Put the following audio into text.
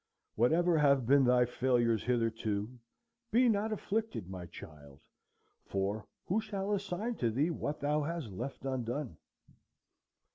Whatever have been thy failures hitherto, "be not afflicted, my child, for who shall assign to thee what thou hast left undone?"